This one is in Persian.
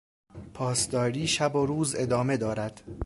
پاسداری شب و روز ادامه دارد.